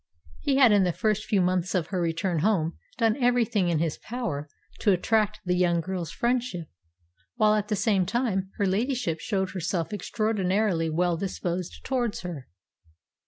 He had in the first few months of her return home done everything in his power to attract the young girl's friendship, while at the same time her ladyship showed herself extraordinarily well disposed towards her.